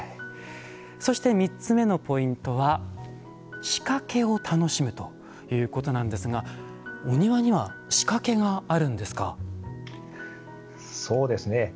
そして、３つ目のポイントは仕掛けを楽しむということですがお庭には仕掛けがあるんですか。